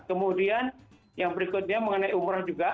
kemudian yang berikutnya mengenai umrah juga